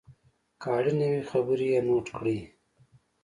که اړینه وي خبرې یې نوټ کړئ.